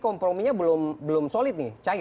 komprominya belum solid nih